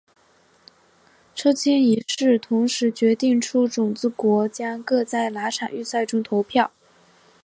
抽签仪式同时决定出种子国将各在哪场预赛中投票。